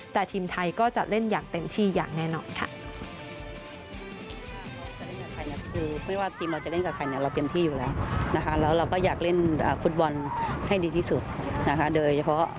แต่ทีมไทยก็จะเล่นอย่างเต็มที่อย่างแน่นอนค่ะ